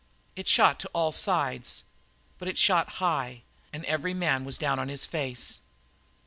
It shot to all sides but it shot high, and every man was down on his face.